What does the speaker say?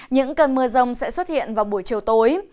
những cơn mưa rông sẽ xuất hiện vào buổi chiều tối